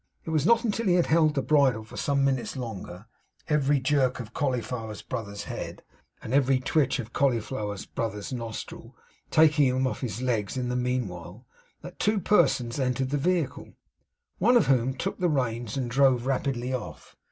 It was not until he had held the bridle for some minutes longer, every jerk of Cauliflower's brother's head, and every twitch of Cauliflower's brother's nostril, taking him off his legs in the meanwhile, that two persons entered the vehicle, one of whom took the reins and drove rapidly off.